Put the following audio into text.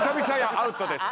アウトです。